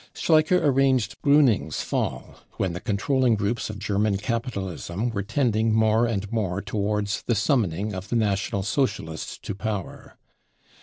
Schleicher arranged Bruning's fall, when the controlling groups of German capitalism were tending more and more towards the summoning of the National Socialists to power.